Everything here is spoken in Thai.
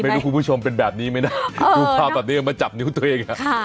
คุณผู้ชมเป็นแบบนี้ไหมนะดูภาพแบบนี้มาจับนิ้วตัวเอง